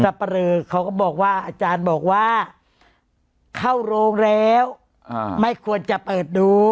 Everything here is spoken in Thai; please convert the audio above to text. เปรอเขาก็บอกว่าอาจารย์บอกว่าเข้าโรงแล้วไม่ควรจะเปิดดู